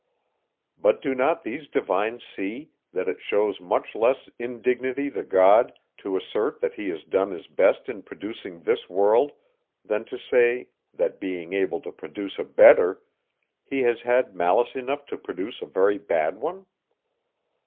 But do not these divines see, that it shews much less indignity to God, to assert that he has done his best in producing this world, than to say, that, being able to produce a better, he has had malice enough to produce a very bad one?